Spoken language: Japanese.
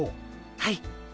はい。